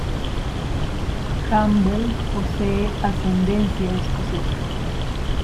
Campbell posee ascendencia escocesa.